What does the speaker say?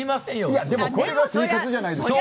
いやでもこれが生活じゃないですか。